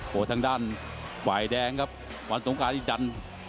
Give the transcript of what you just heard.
โหทางด้านไหว้แดงครับวันสงการที่ดัน